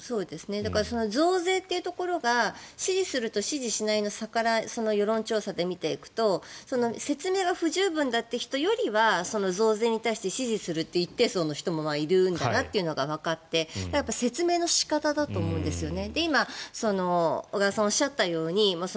増税というところが支持すると支持しないの差から世論調査で見ていくと説明が不十分だという人よりは増税に対して支持するって一定層の人もいるんだなというのがわかって説明の仕方だと思うんですよね。